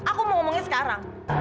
aku mau ngomongnya sekarang